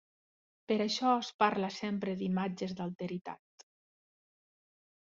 Per això es parla sempre d'imatges d'alteritat.